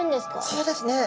そうですね。